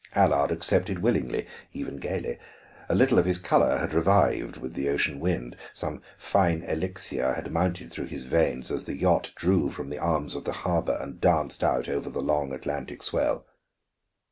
Allard accepted willingly, even gaily; a little of his color had revived with the ocean wind, some fine elixir had mounted through his veins as the yacht drew from the arms of the harbor and danced out over the long Atlantic swell.